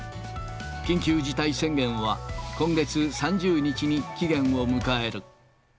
緊急事態宣言は、今月３０日に期限を迎える。